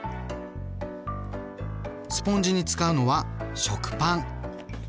スポンジに使うのは食パン。